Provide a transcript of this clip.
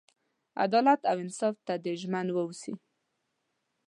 عدالت او انصاف ته دې ژمن ووسي.